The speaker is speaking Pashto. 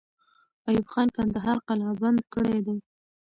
ایوب خان کندهار قلابند کړی دی.